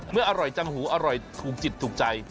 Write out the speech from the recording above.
อร่อยจังหูอร่อยถูกจิตถูกใจ